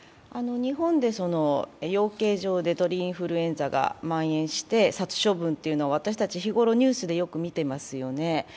日本で養鶏場で鳥インフルエンザがまん延して殺処分というのを私たち日ごろ、ニュースでよく見てますよね。